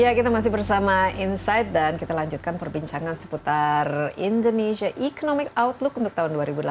ya kita masih bersama insight dan kita lanjutkan perbincangan seputar indonesia economic outlook untuk tahun dua ribu delapan belas